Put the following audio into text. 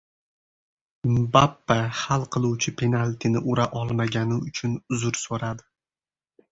Mbappe hal qiluvchi penaltini ura olmagani uchun uzr so‘radi